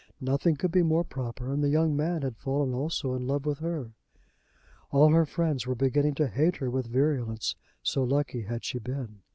Nothing could be more proper, and the young man had fallen also in love with her. All her friends were beginning to hate her with virulence, so lucky had she been!